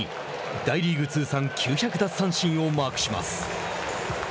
大リーグ通算９００奪三振をマークします。